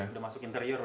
sudah masuk interior